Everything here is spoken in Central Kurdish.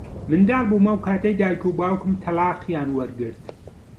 منداڵ بووم ئەو کاتەی دیک و باوکم تەڵاقیان وەرگرت.